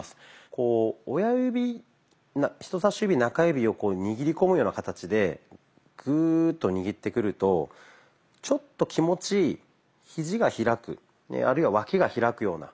こう親指人さし指中指を握り込むような形でグーッと握ってくるとちょっと気持ちひじが開くあるいは脇が開くような